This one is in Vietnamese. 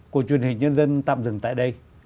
của truyền hình nhân dân tạm dừng tại đây